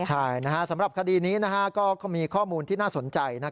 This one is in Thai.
ใช่สำหรับคดีนี้ก็มีข้อมูลที่น่าสนใจ